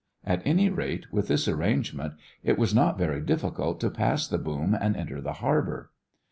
At any rate, with this arrangement it was not very difficult to pass the boom and enter the harbor.